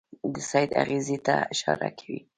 د سید اغېزې ته اشاره کوي.